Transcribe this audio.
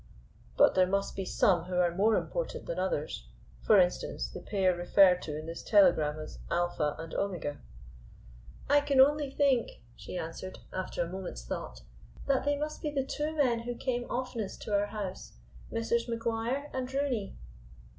"But there must be some who are more important than others. For instance, the pair referred to in this telegram as Alpha and Omega?" "I can only think," she answered, after a moment's thought, "that they must be the two men who came oftenest to our house, Messrs. Maguire and Rooney."